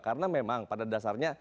karena memang pada dasarnya